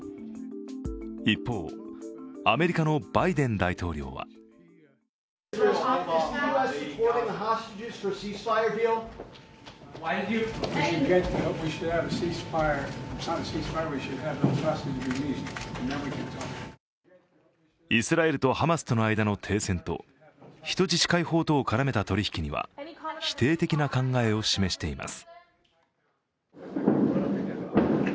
一方、アメリカのバイデン大統領はイスラエルとハマスとの間の停戦と人質解放とを絡めた取り引きには否定的な考えを示しています。